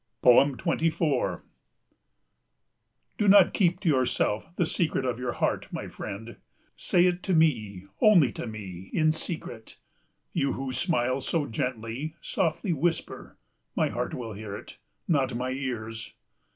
24 Do not keep to yourself the secret of your heart, my friend! Say it to me, only to me, in secret. You who smile so gently, softly whisper, my heart will hear it, not my ears.